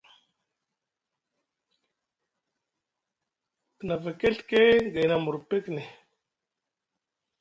Te nava keɵke gayni amur pekne.